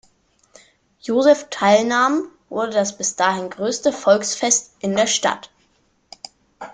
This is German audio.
Joseph teilnahm, wurde das bis dahin größte Volksfest in der Stadt.